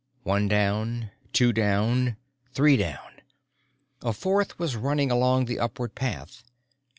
One down, two down, three down. A fourth was running along the upward path.